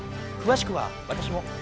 くわしくは私も。